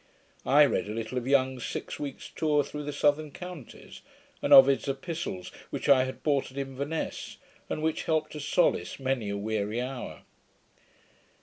I read a little of Young's Six Weeks Tour through the Southern Counties; and Ovid's Epistles, which I had bought at Inverness, and which helped to solace many a weary hour.